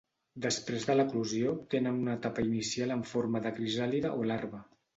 Després de l'eclosió tenen una etapa inicial en forma de crisàlide o larva.